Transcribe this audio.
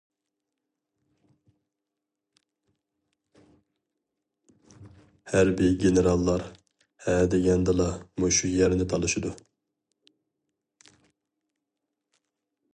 ھەربىي گېنېراللار ھە دېگەندىلا مۇشۇ يەرنى تالىشىدۇ.